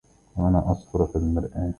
وأنا أصفَرُّ في المرآة